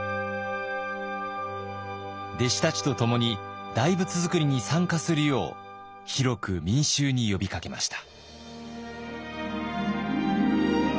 弟子たちとともに大仏づくりに参加するよう広く民衆に呼びかけました。